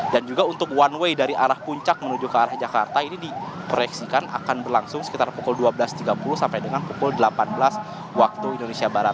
dan juga untuk one way dari arah puncak menuju ke arah jakarta ini diproyeksikan akan berlangsung sekitar pukul dua belas tiga puluh sampai dengan pukul delapan belas waktu indonesia barat